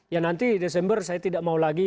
ya nanti desember saya tidak mau lagi